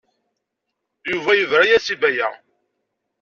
Yuba yebra-as i Baya.